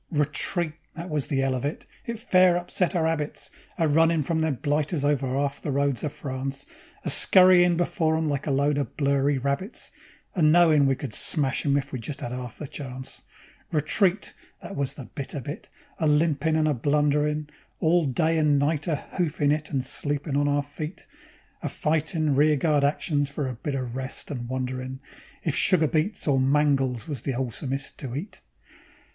Retreat! That was the 'ell of it. It fair upset our 'abits, A runnin' from them blighters over 'alf the roads of France; A scurryin' before 'em like a lot of blurry rabbits, And knowin' we could smash 'em if we just 'ad 'alf a chance. Retreat! That was the bitter bit, a limpin' and a blunderin'; All day and night a hoofin' it and sleepin' on our feet; A fightin' rear guard actions for a bit o' rest, and wonderin' If sugar beets or mangels was the 'olesomest to eat.